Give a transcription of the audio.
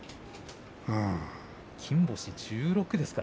金星は１６です。